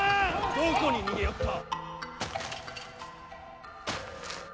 どこに逃げおった！